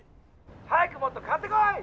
☎早くもっと買ってこい！